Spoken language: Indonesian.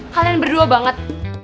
kalian berdua banget